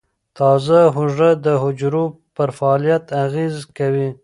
تازه هوږه د حجرو پر فعالیت اغېز کوي.